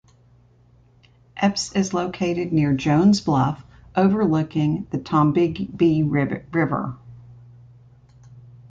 Epes is located near Jones Bluff, overlooking the Tombigbee River.